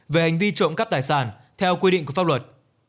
về hành vi trộm cắp tài sản theo quy định của pháp luật